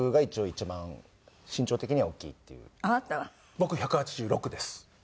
僕１８６です。